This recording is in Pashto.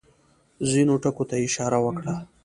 ځینو ټکو ته یې اشاره وکړه.